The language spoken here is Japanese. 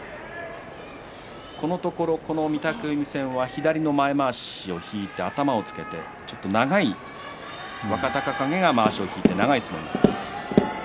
このところ、この御嶽海戦は左の前まわしを引いて頭をつけて若隆景がまわしを引いて長い相撲になっています。